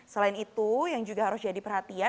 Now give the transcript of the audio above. selain itu yang juga harus jadi perhatian